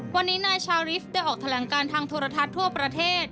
วันนี้นายชาริฟทได้ออกแถลงการทางโทรทัศน์ทั่วประเทศ